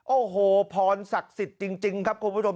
โอ้โหพรศักดิ์สิทธิ์จริงครับคุณผู้ชม